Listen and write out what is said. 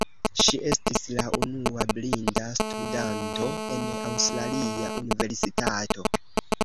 Ŝi estis la unua blinda studanto en Aŭstralia universitato.